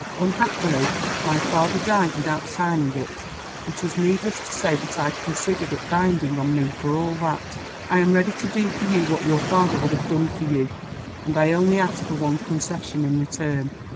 Unhappily, my father died without signing it. It is needless to say that I consider it binding on me for all that. I am ready to do for you what your father would have done for you. And I only ask for one concession in return."